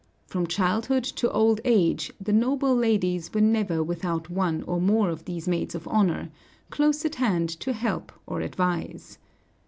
From childhood to old age, the noble ladies were never without one or more of these maids of honor, close at hand to help or advise.